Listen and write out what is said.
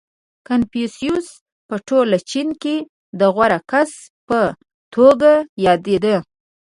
• کنفوسیوس په ټول چین کې د غوره کس په توګه یادېده.